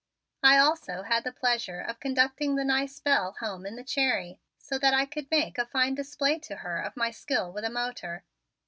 I also had the pleasure of conducting the nice Belle home in the Cherry so that I could make a fine display to her of my skill with a motor.